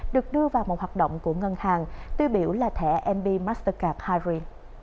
được đưa vào một hoạt động của ngân hàng tuy biểu là thẻ mb mastercard harry